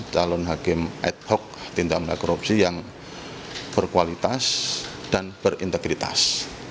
calon hakim ad hoc tindak pindah korupsi yang berkualitas dan berintegritas